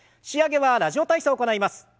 仕上げは「ラジオ体操」を行います。